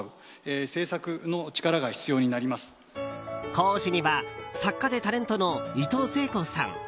講師には、作家でタレントのいとうせいこうさん